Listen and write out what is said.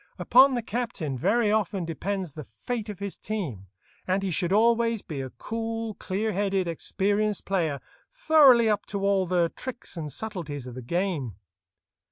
Upon the captain very often depends the fate of his team, and he should always be a cool, clear headed, experienced player, thoroughly up to all the tricks and subtleties of the game.